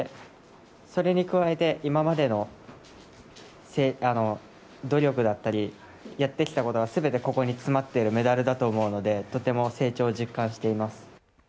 それに加えて今までの努力だったり、やってきたことが全てここに詰まっているメダルだと思うのでとても成長を実感しています。